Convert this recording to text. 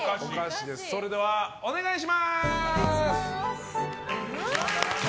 それでは、お願いします！